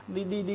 đi đi đi